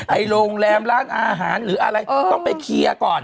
โรงแรมร้านอาหารหรืออะไรต้องไปเคลียร์ก่อน